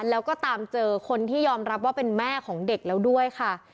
แล้วก็ตามเจอคนที่ยอมรับว่าเป็นแม่ของเด็กแล้วด้วยค่ะ